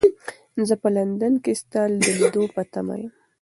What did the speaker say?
زه په لندن کې ستا د لیدلو په تمه یم.